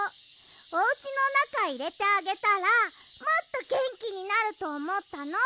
おうちのなかいれてあげたらもっとげんきになるとおもったの。